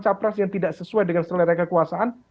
capres yang tidak sesuai dengan selera kekuasaan